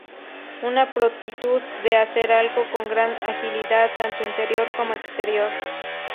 Una prontitud de hacer algo con gran agilidad tanto interior como exterior.